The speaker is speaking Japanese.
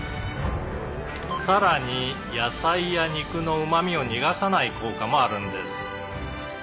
「さらに野菜や肉のうま味を逃がさない効果もあるんです」